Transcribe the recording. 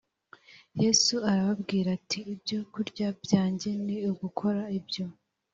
Yesu arababwira ati ibyokurya byanjye ni ugukora ibyo